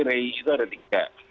rei itu ada tiga